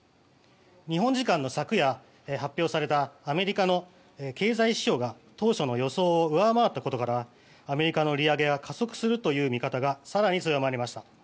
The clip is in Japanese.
日本時間の昨夜発表されたアメリカの経済指標が当初の予想を上回ったことからアメリカの利上げが加速するという見方が更に強まりました。